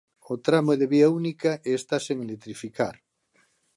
O tramo é de vía única e está sen electrificar.